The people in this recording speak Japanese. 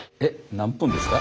何分ですか？